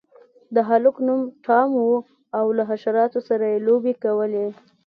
د هلک نوم ټام و او له حشراتو سره یې لوبې کولې.